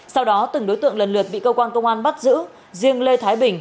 sau đó từng đối tượng lần lượt bị cơ quan công an bắt giữ riêng lê thái bình